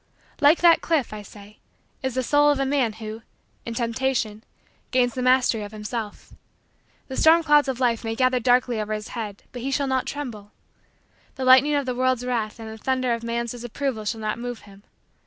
Like that cliff, I say, is the soul of a man who, in temptation, gains the mastery of himself. The storm clouds of life may gather darkly over his head but he shall not tremble. The lightning of the world's wrath and the thunder of man's disapproval shall not move him.